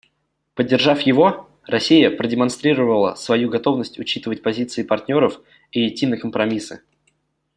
Поддержав его, Россия продемонстрировала свою готовность учитывать позиции партнеров и идти на компромиссы.